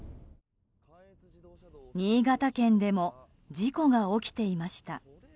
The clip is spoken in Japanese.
新潟県でも事故が起きていました。